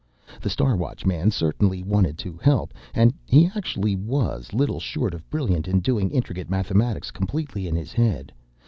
The Star Watchman certainly wanted to help, and he actually was little short of brilliant in doing intricate mathematics completely in his head.